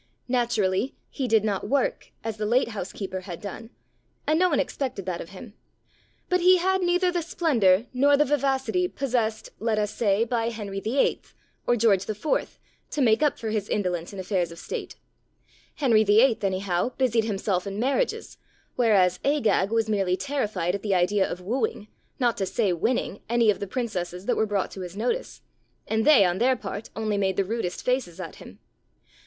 Naturally, he did not work as the late housekeeper had done (and no one expected that of him), but he had neither the splendour nor the vivacity, possessed, let us say, by Henry VIII. or George IV., to make up for his indolence in affairs of state. Henry VIII., anyhow, busied himself in marriages, whereas Agag was merely terrified at the idea of wooing, not to say winning, any of the princesses that were brought to his notice; and they, on their part, only made the rudest faces at him.